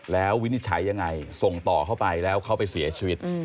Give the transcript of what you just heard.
แล้ววินิจฉัยยังไงส่งต่อเข้าไปแล้วเขาไปเสียชีวิต